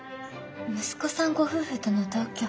息子さんご夫婦との同居。